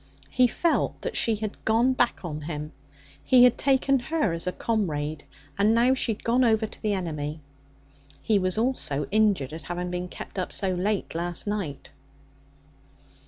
He felt that she had 'gone back on him.' He had taken her as a comrade, and now she had gone over to the enemy. He was also injured at having been kept up so late last night.